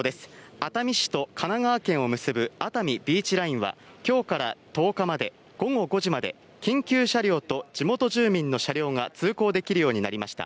熱海市と神奈川県を結ぶ熱海ビーチラインは今日から１０日までの午後５時まで緊急車両と地元住民の車両が通行できるようになりました。